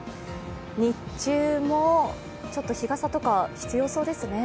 日中も、日傘とか必要そうですね